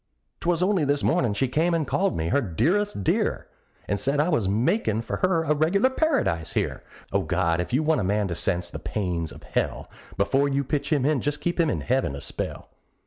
'Twas only this mornin' she came and called me her "dearest dear," And said I was makin' for her a regular paradise here; O God! if you want a man to sense the pains of hell, Before you pitch him in just keep him in heaven a spell!